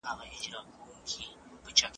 لاس لیکنه د انسان د مغز مختلفې برخې هڅوي.